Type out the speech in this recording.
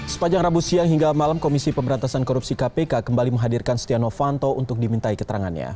sepanjang rabu siang hingga malam komisi pemberantasan korupsi kpk kembali menghadirkan setia novanto untuk dimintai keterangannya